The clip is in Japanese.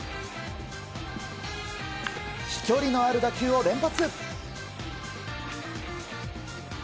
飛距離のある打球を連発。